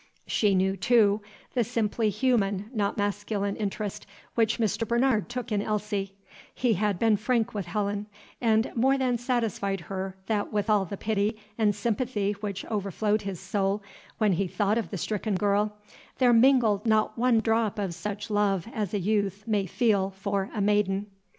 She knew, too, the simply human, not masculine, interest which Mr. Bernard took in Elsie; he had been frank with Helen, and more than satisfied her that with all the pity and sympathy which overflowed his soul, when he thought of the stricken girl, there mingled not one drop of such love as a youth may feel for a maiden.